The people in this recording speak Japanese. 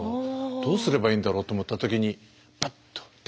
どうすればいいんだろうと思った時にパッと電球が。